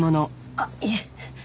あっいえ。